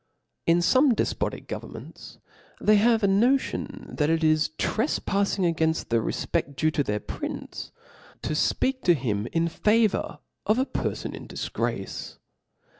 In fome defpotic governments * they have a notion that it is trefpafling againft the refped: due to their prince, to fpeak to him in favour of a perfoo in difgrace.